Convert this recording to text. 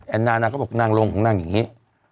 แอนนานะเขาบอกหน้างลงหรือหน้างอย่างงี้